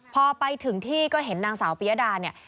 พอไปถึงที่ก็เห็นนางสาวปียดาเนี่ย